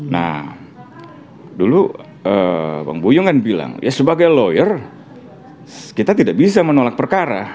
nah dulu bang boyongan bilang ya sebagai lawyer kita tidak bisa menolak perkara